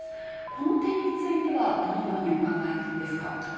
この点についてはどのようにお考えですか。